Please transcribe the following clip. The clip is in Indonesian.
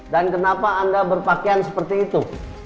dan kenapa anda berpakaian seperti itu